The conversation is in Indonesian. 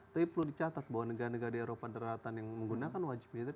tapi perlu dicatat bahwa negara negara di eropa daratan yang menggunakan wajib militer